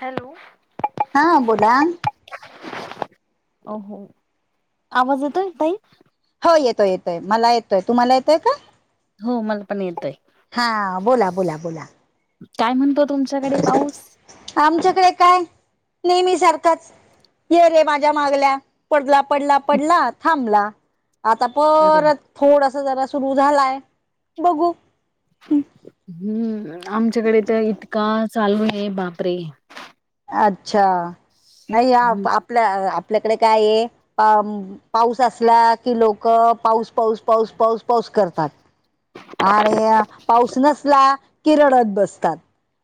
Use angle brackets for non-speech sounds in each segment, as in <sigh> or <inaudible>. Hello! हा बोला! हो आवाज येतोय तई? हो येतोय येतोय, मला येतोय, तुम्हाला येतय का? हो मला पण येतोय हा बोला, बोला, बोला. काय म्हणतो तुमच्याकडे पाऊस. आमच्याकडे काय, नेहमी सारखाच. ये रे माझ्या मागल्या, पडला पडला पडला थांबला आता अरे परत थोडस जरा सुरु झालाय बघू. हम्म! आमच्याकडे तर इतका चालू आहे बापरे! अच्छा! नाही हम्म आपल्या आपल्याकडे काय आहेअं पाऊस असला की लोक पाऊस पाऊस पाऊस पाऊस पाऊस करतात. आणि पाऊस नसला किरळत बसतात.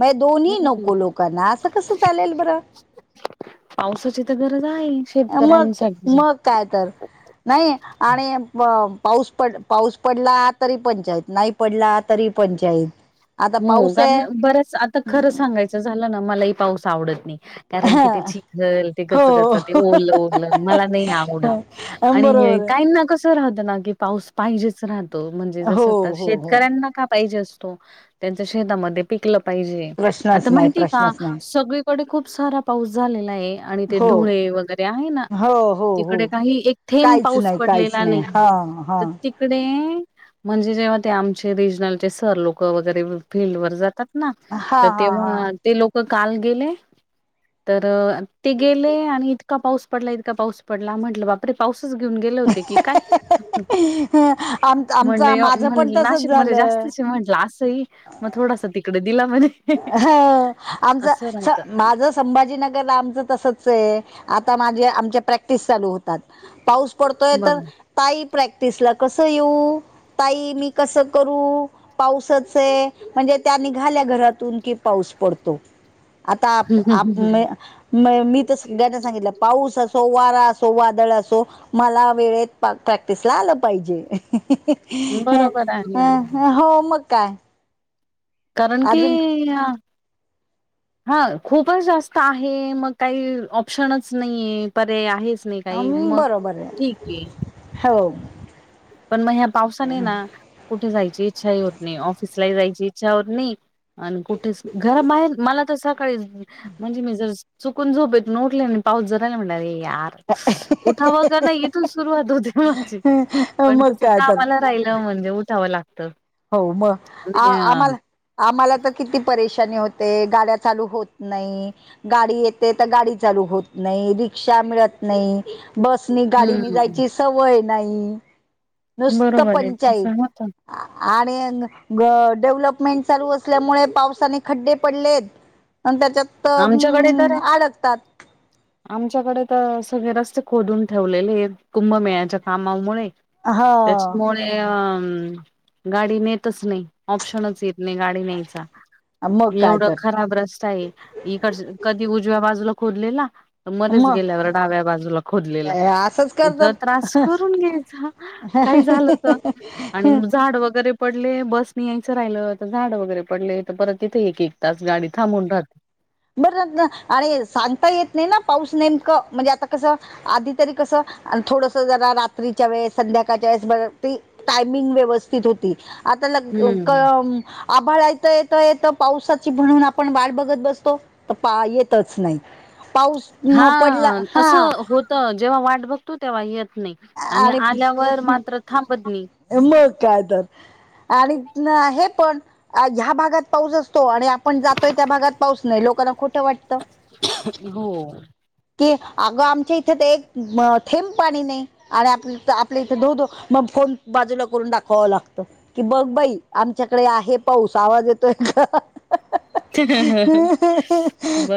मग दोन्ही हम्म नको लोकांना असं कसं चालेल बरं पावसाची तर गरज आहे मग शेतकऱ्यांसाठी. मग काय तर. नाही आणि पाऊस पड पाऊस पडला तरी पंचायत नाही पडला तरी पंचायत. आता हो पाऊस कारण आहे बर्याच आता खरं सांगायचं झालं ना मला ही पाऊस आवडत नाही. कारण की ते चिखल ते हो कचकच ते ओढलं ओलं मला नाही आवडत. आणि हे बरोबर आहे काही ना कस राहत ना की पाऊस पाहिजेच राहतो. म्हणजे हो जस हो हो शेतकऱ्यांना का पाहिजे असतो? त्यांच शेतामध्ये पिकलं पाहिजे प्रश्नच आता नाही माहितीय का प्रश्नच नाही सगळे तकडे खूप सारा पाऊस झालेला आहे. आणि ते हो धुळे वगैरे आहे ना हो हो हो तिकडे काही एक थेंब काहीच पाऊस नाही पडलेला काहीच हा हा डे म्हणजे जेव्हा ते आमचे रिजनलचे सर लोक वगैरे फीलल्ड वर जात ना हा तर हा हा तेव्हा ते लोक काल गेले. तर ते गेले आणि इतका पाऊस पडला इतका पाऊस पडला म्हटलं बाप् पाऊसच घेऊन गेले होते की काय? आम आमचा म्हंले माझं म्हण पण तसच नाशिकमध्ये जास्त झालं म्हटलं अस स मग थोडासा तिकडे दिला म्हणे ह असं आमचा राहत माझ संभाजी नगर आमच तसच आता माझे आम प्रॅक्टिस चालू होतात पाऊस था पडतोय तर बरोबर ताई प्रॅक्टिस ला कस येऊ? ताई मी कसं करू पाऊसच आहे म्हणजे त्यांनीघाल्या घरात की पाऊस पडतो आता आप आप म मी तर सगळ्याना सांगितलं पाऊस असो, वारा असो वादळ असो. मला वेळेत प्रॅक्टिस ला आलं पाहिजे. बरोबर अ आहे हो मग काय. कारण की अजून हा खूपच जास्त आहे मग काही ऑप्शनच नाही आहे परे आहे मग बरोबर आहे हो. पण मग ह्या पावसाने ना कुठे जायची इच्छाही होत नाही ऑफिसलाही जायची इच्छा होत नाही. आणि कुठेच घरा बाहेर मला तर कडेन म्हणजे मी जर चुकून झोप येत न उठले पाऊस जराला म्हणला आरे यार उठावग नाही इथून सुरुवात होते. माझी हम् पण कसं कामाला राहिलं म्हणजे उठावं लागतं. हो मग आ आणि आम्हाला आम्हाला तर किती परेशानी होते गाड्या चालू होत नाही. गाडी येते तर गाडी चालू होत नाही, रिक्षा मिळत नाही. बसनी गाडीनी हम्म जायची सवय नाही, नुसतं बरोबर आहे पंचायत. तसं होत आणि डेव्हलपमेंट चालू असल्यामुळे पावसाने खड्डे पडलेत. आण आमच्याकडे तर त्याच्यातम् अडकतात. आमच्याकडे तर सगळे रस्ते खोदून ठेवलेले आहेत. कुंभमेळ्याच्या कामामुळे ह त्याच्यामुळे अ गाडी नेतच नाही. ऑप्शनच येत नाही गाडी न्यायचा मग काय एवढं तर खराब रस्ता आहे. इकड कधी उजव्या बाजूला खोदलेला मरेच मग गेल्यावर डाव्या बाजूला खोदलेला असंच कुठ करतात त्रास करून घ्यायचा. काही झालं तर आणि झाड वगैरे पडले बसनी यायचं राहिलं तर झाड वगैरे पडले तर परत तिथे एक एक तास गाडी थांबून राहते बबरेचदा आणि सांगता येत नाही ना पाऊस नेमकं म्हणजे आता कसं? आधी तरी कसं थोडस जरा रात्रीच्या वेळेस संध्याकाळच्या वेळेस ब टायमिंग व्यवस्थित होती आता हम्म. आभाळायथ येत येत पावसाची म्हणून आपण वाट बघत बसतो तो येतच नाही पाऊस हा पडला हा असं जेव्हा वाट बघतो तेव्हा येत नाही आणि आल्यावर मात्र थांबत नाही मग काय तर आणि हे पण ह्या भागात पाऊस असतो आणि आपण जातोय त्या भागात पाऊस नाही लोकांना खोठं वाटतं हो कि अगं आमच्या इथे ते एक थेंब पाणी नाही आणि आप आपल्या इथे धोध मग फोन बाजूला करून दाखवावं लागतं कि बघ बाई आमच्याकडे आहे पाऊस आवाज येतोय ह्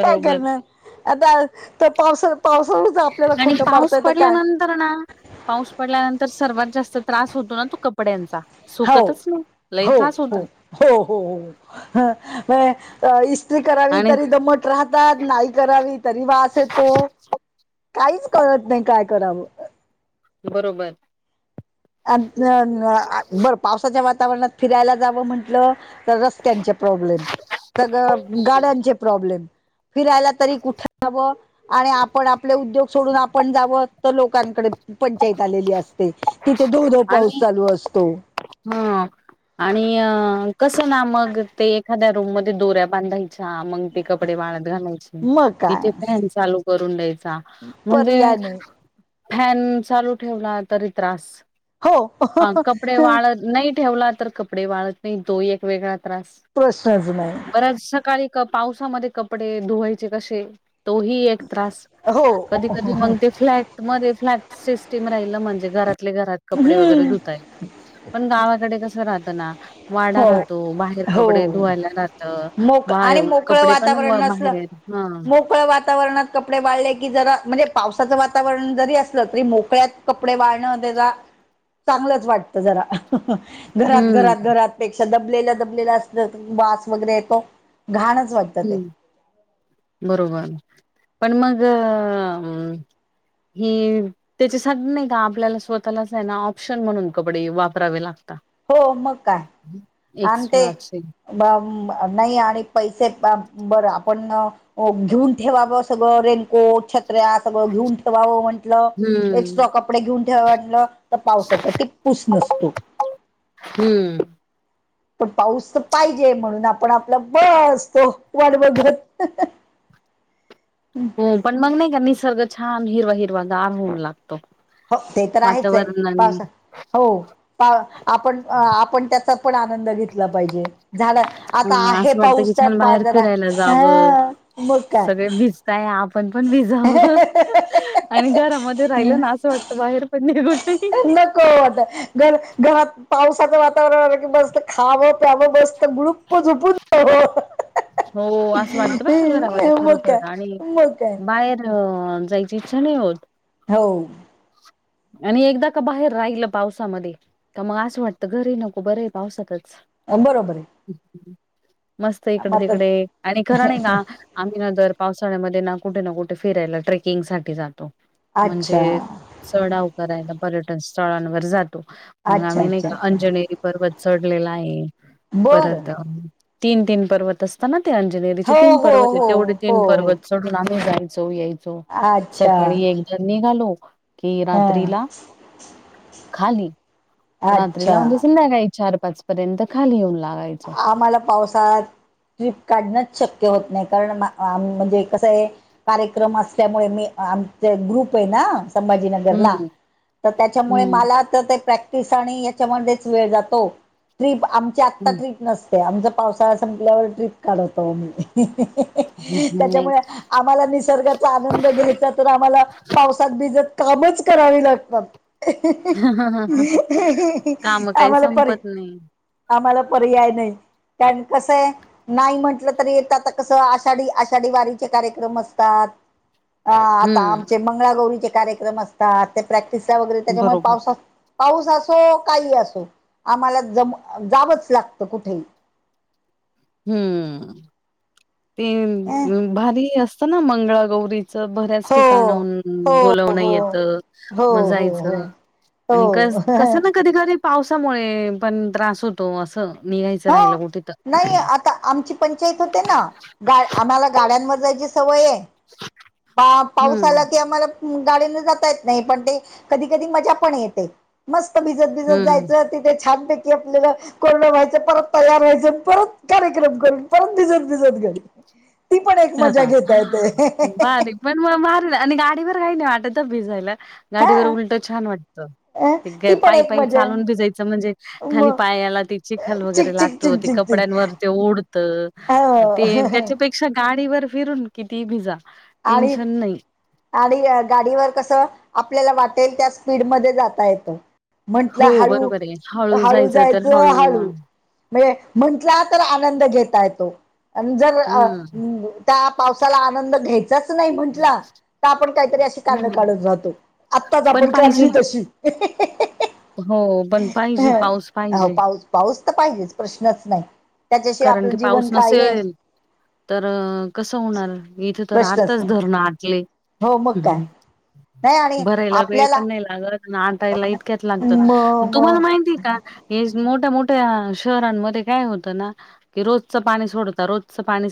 काय करणार आता तर पावसा पावसाळच आपल्याला आणि खोटं पाऊस पाडतायेत काय पडल्यानंतर पाऊस पडल्यानंतर सर्वात जास्त त्रास होतो ना तो कपड्यांचा हो सुकतच नाही लई हो त्रास होता हो हो हो इस्त्री करावी आणि तरी दममट राहतात नाही करावी तरी वास येतो काहीच कळत नाही काय करावं बरोबर अ बरं पावसाच्या वातावरणात फिरायला जावं म्हंटलं रस्त्यांचे प्रॉब्लेम सग गाड्यांचे प्रॉब्लेम फिरायला तरी कुठे हवं आणि आपण आपले उद्योग सोडून आपण जावं तर लोकांकडे पंचायत आलेली असते तिथे धोधो पाऊस चालू असतो हा आणि अ कसं ना मग ते एखाद्या रूम मध्ये दोऱ्या बांधाय अच्छा मग ते कपडे वाळत घालायचे मग काय तिचे फॅन चालू करून द्यायचा म्हणजे पर्याय नाही फॅन चालू ठेवला तरी त्रास हो कपडे वा नाही ठेवला तर कपडे वाळत नाही तो एक वेगळा त्रास प्रश्नच नाही बऱ्याच सकाळी पावसामध्ये कपडे धुवायचे कसे तोही एक त्रास हो कधी कधी मगते फ्लॅट मध्ये फ्लॅट सिस्टीम राहिल म्हणजे घरातले घरात कपडे वगैरे धुताय पण गावाकडे कसं राहतं ना वाडा हो राहतो बाहेर कपडे हो धुवायला राहत मोक वा आणि कपडे पण बाहेर हा मोकळ वातावरणात कपडे वाळले की जरा म्हणजे पावसाचं वातावरण जरी असलं तरी मोकळ्यात कपडे वाळणं त्या चांगलंच वाटत जरा घरात हम्म घरात घरात पेक्षा दबलेला दबलेला अस वास वगैरे येतो घाणच वाटत हम् बरोबर पण मग हीर त्याच्यासाठी नाही का आपल्याला स्वतःलाच आहे ना ऑप्शन म्हणून कपडे वापरावे लागतात हो मग काय आणि ते एक्स्ट्राचे नाही आणि पैसे बरं आपण घेऊन ठेवावं सगळं रेनकोट छत्र्या सगळं घेऊन ठेवावं म्हंटलं एस्ट्रॉ हम्म कपडे घेऊन ठेवटलं तर पावसाचा किटपूस नसतो हम्म पण पाऊस तर पाहिजे म्हणून आपण आपलं ब असतो वाड बघत हो पण मग नाही का निसर्ग छान हिरवा हिरवा गार होऊ लागतो हो, ते तर आहेच आहे वातावरणाने पावसा हो. आपण आपण त्याचा पण आनंद घेतला पाहिजे. झालं आता हा आहे असं वाटतं पाऊस की का, छान पा बाहेर जरा फिरायला हां मग काय. काय आपण पण भिजावं. आणि घरामध्ये हम् राहिलं ना, असं वाटतं बाहेर पण <unintelligible> नको वाटत घर- घरात पावसाचं वातावरण आलं की बसत. खावं प्यावं बसत गुळुप्प झुपून जावं. हो असं वाटतं बर का, घरामध्ये मग खरोखर काय आणि मग काय बाहेर, अ... जायची इच्छा नाही होत. हो. आणि एकदा का बाहेर राहिल पावसामध्ये, तर मग असं वाटतं घरी नको बरं ये पावसातच. बरोबर ये. मस्त इकडे तिकडे आणि खरं नाही का, आम्ही ना दर पावसाळ्यामध्येना कुठे ना कुठे, फिरायला ट्रेकिंग साठी जातो म्हणजे, अच्छा सडाव करायला पर्यटन स्थळांवर जातो. मग अच्छा आम्ही नाही अच्छा का अच्छा अंजनी पर्वत चढलेला आहे. बर परत तीन तीन पर्वत असं. च ना ते अंजनेरीचे हो तीन हो पर्वत आहेत. हो तेवढे तीन हो हो पर्वत, चढून आम्ही जायचो यायचो, अच्छा सकाळी एकदा निघालो. कि हा रात्रीला खाली. रात्रीला म्हणजे, अच्छा संध्याकाळी चार पाच पर्यंत खाली येऊन लागायचो. आम्हाला पावसाळ्यात ट्रिप काढणंच शक्य होत नाही. कारण आ म्हणजे कसं ये. कार्यक्रम असल्यामुळे मी आमचा ग्रुप आहे ना, संभा हम्म जीनगरला तर त्यांच्यामुळे हम्म मला, तर प्रॅक्टिस आणि हेचा मध्येच वेळ जातो. ट्रिप आमची. आता हम्म ट्रीप नसते, आमचं पावसाळा संपल्यावर ट्रीप काढवतो आम्ही. हम्म नाही त्यांच्यामुळे आम्हाला निसर्गाचा आनंद घेताच तर आम्हाला पावसात भिजत कामचं करावे लागतात. काम काही आम्हाला पर संपत नाही. आम्हाला. पर्याय नाही कारण कसं ये. नाही म्हटलं तरी येत आता कसं, आषाढी आषाढी वारीचे कार्यक्रम असतात. अ आता आमचे हम्म मंगळागौरीचे कार्यक्रम असतात. ते प्रॅक्टिसचा वगैरे त्यांच्यामुळे बरोबर पावसांत पाऊस असो काही असो. आम्हाला जम जावंच लागतं कुठेही. हम्म. ते अं, भारी असतं ना मंगळागौरी चं बऱ्याच हो हो ठिकाणाहून बोलवण हो येतं हो मग हो हो जायचं. हो आणि कसं- कसनक. कधी कधी पावसामुळे पण त्रास होतो. असं निघायचं हो राहिलं कुठे तर, नाही आता आमची पंचायत होते ना, गा आम्हाला गाड्यांवर जायची सवय आहे. बा पाऊस हम्म आला की आम्हाला. गाडीन जाता येत नाही. पण ते कधी कधी मजा पण येते. मस्त भिजत भिजत हम्म जायचं. तिथे छानपैकी आपल्याला कोरडं व्हाय ते परत तयार व्हायचं, परत कार्यक्रम करून परत भिजत भिजत घरी. ती पण एक मजा घेता येते. भारी पण म मार आणि गाडीवर काही नाही वाटत, भिजायला हा गाडीवर उलट छान वाटत. अ ते ती पण पायी एक पायी मजा चालून आहे भिजायचं म्हणजे, खाली मग पायाला ती चिखल वगैरे चिक चिक लागतो चिक ते चिक चिक कपड्यांनवर, ते ओढत. ते हो त्याच्यापेक्षा गाडीवर फिरून किती भिजा. आणि, टेन्शन नाही आणि गाडीवर कसं, आपल्याला वाटेल त्या स्पीडमध्ये जाता येतं. हो म्हंटलं हळू, बरोबर आहे हळू तर जायचं हळू. म्हणजे म्हंटला तर आनंद घेता येतो. आणि जर अ... हम्म त्या पावसाला आनंद घ्यायचाच नाही म्हंटला. तर आपण काहीतरी अशी कारणं हम्म काढत राहतो... आत्ताच पण आपण पाहिजे काढली तशी हो... पण पाहिजे... पाऊस हो पाहिजे पाऊस पाऊस तर पाहिजेच... प्रश्नच नाई... त्याच्याशिवाय कारण आपलं की पाऊस जीवन काय ए नसेल तर... कसं होणार... इथं तर प्रश्नच आताच नाही. धरणं आटलंय... हो मग हूं काय हूं... नाही आणि भरायला वेळ आपल्याला पण नाई लाग अगं नहार ताईला इतक्यात लागतं... म म तुम्हाला माहितीय का हेच... मोठ्या मोठ्या शहरांमध्ये काय होतं ना ते रोजचं पाणी सोडता... रोजचं पाणी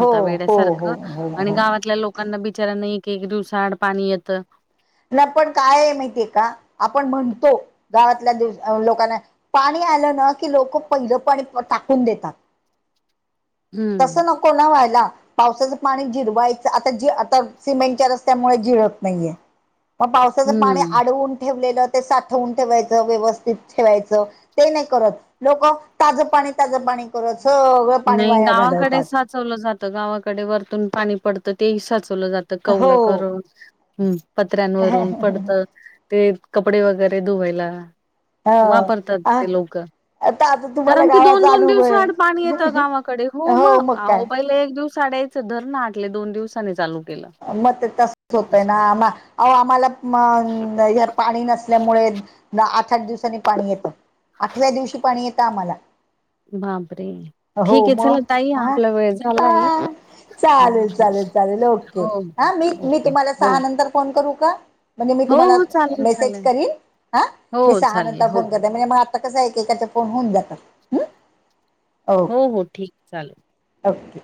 हो हो हो वेड्यासारखं हो आणि हो गावातल्या लोक लोकांना बिचाऱ्यांना एक एक दिवसाआड पाणी येतं पण... काय ए माहितीय का... आपण म्हणतो... गावातल्या लोकांना पाणी आलं ना... की लोकं... पहिलं पाणी... टाकून देतात हम्म तसं नको ना व्हायला पावसाचं पाणी जिरवायचं... आता... जी... आता सिमेंटच्या रस्त्यांमुळे जिरत नाहीये मग पावसाचं पाणी हम्म आडवून ठेवलेलं... ते साठवून ठेवायचं... व्यवस्थित ठेवायचं ते नाही करत... लोकं ताजं पाणी... ताजं पाणी करत सग नई, गावाकडे साचवलं जातं... गावाकडे... वरतून पाणी पडतं... तेही साचवलं जातं कौलं हो करून... हूं... पत्र्यांवरून... पडतं ते कपडे वगैरे धुवायला वापरतात ह ते लोकं... आता आता तुम्हाला कारण की, दोन गावाचा दोन अनुभव दिवसाड पाणी येत आहे. गावाकडे... हो मग... अवो... पहिलं एक दिवस आड यायचं... धरणं आटले... दोन दिवसानी चालू केलं. मग ते तसंच होतंय ना... असं. मा... अहो आम्हाला.. म... पाणी नस ल्यामुळे... आठ आठ दिवसानी पाणी येतं... आठव्या दिवशी पाणी येतं आम्हाला बापरे... हो ठीक ए... मग चला ताई... हा आपला वेळ झाला ए हा चालेल, चालेल... चालेल ओके... हो हा... मी... मी ओके तुम्हाला हो सहा नंतर फोन करू का? म्हणजे... मी हो तुम्हाला हो चालेल मेसेज चालेल करीन हा... हो मी सहा चालेल नंतर हो फोन करते, म्हणजे मग आता कसं ए... एकेकाचे फोन होऊन जातात.. हूं हो... हो... ठीक ए... चालल ओक्के.